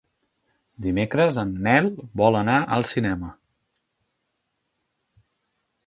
Dimecres en Nel vol anar al cinema.